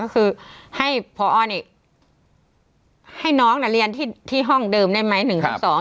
ก็คือให้พอนี่ให้น้องเรียนที่ห้องเดิมได้ไหมหนึ่งทับสอง